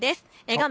画面